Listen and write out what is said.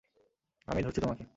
আমি ধরছি তোমাকে।